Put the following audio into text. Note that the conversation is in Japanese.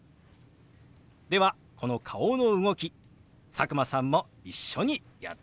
ではこの顔の動き佐久間さんも一緒にやってみましょう！